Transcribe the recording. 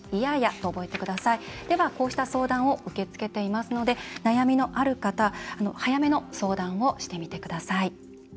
都ではこうした相談を受け付けていますので悩みのある方、早めの相談をしてみてください。